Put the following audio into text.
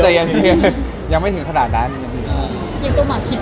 ใจเย็นครับใจเย็นยังไม่ถึงขนาดนั้นยังต้องมาคิดไว้ไปหรือเปล่าบ้างไหมครับ